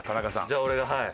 じゃあ俺がはい。